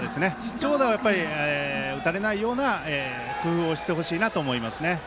長打が打たれないような工夫をしてほしいなと思いますね。